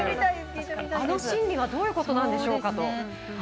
あの心理はどういうことなんでしょうかと。